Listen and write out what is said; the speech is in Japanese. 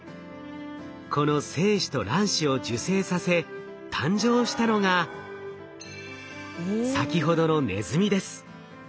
この精子と卵子を受精させ誕生したのが先ほどのネズミです。